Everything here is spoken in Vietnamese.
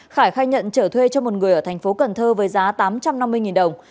khải khai nhận trở thuê cho một người ở thành phố cần thơ với giá tám trăm năm mươi đồng